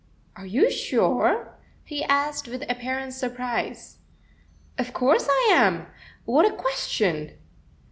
"Are you sure?" he asked, with apparent surprise. "Of course I am. What a question!"